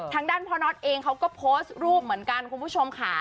ทางด้านพ่อน็อตเองเขาก็โพสต์รูปเหมือนกันคุณผู้ชมค่ะ